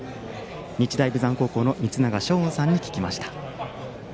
日大豊山高校の光永翔音さんに聞きました。